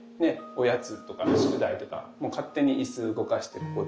おやつとか宿題とかもう勝手に椅子動かしてここで。